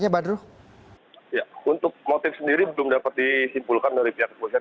ya untuk motif sendiri belum dapat disimpulkan dari pihak kepolisian